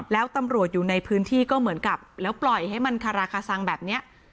แล้วตำรวจอยู่ในพื้นที่ก็เหมือนกับแล้วปล่อยให้มันคาราคาซังแบบนี้